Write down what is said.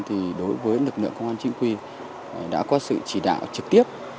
thì đối với lực lượng công an chính quy đã có sự chỉ đạo trực tiếp